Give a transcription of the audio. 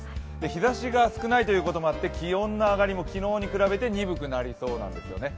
日ざしが少ないということもあって、気温の上がりも昨日に比べて鈍くなりそうなんですよね。